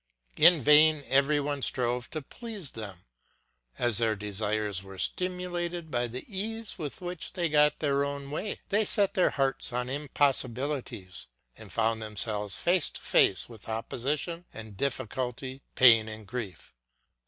In vain everybody strove to please them; as their desires were stimulated by the ease with which they got their own way, they set their hearts on impossibilities, and found themselves face to face with opposition and difficulty, pain and grief.